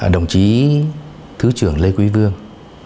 đồng chí thứ trưởng lê quý vương